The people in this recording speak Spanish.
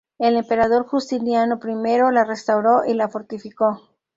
El emperador Justiniano I la restauró y la fortificó.